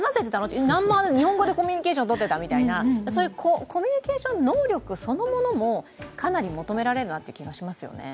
いや、日本語でコミュニケーションとっていたみたいな、コミュニケーション能力そのものも、かなり求められるなという気もしますよね。